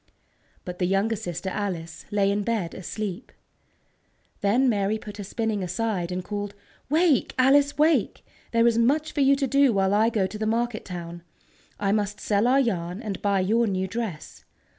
_" But the younger sister, Alice, lay in bed asleep. Then Mary put her spinning aside, and called: "Wake, Alice, wake! There is much for you to do while I go to the market town. I must sell our yarn, and buy your new dress.